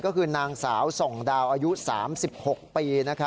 ก็คือนางสาว๒ดาวอายุ๓๐ปี